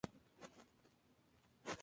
Pero el tono en general es amable y cómodo".